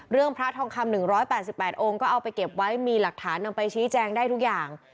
พระทองคำ๑๘๘องค์ก็เอาไปเก็บไว้มีหลักฐานนำไปชี้แจงได้ทุกอย่าง